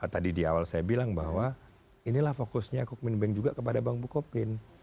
jadi di awal saya bilang bahwa inilah fokusnya cookmin bank juga kepada bank bukopin